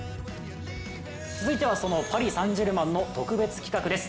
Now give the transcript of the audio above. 続いては、そのパリ・サン＝ジェルマンの特別企画です。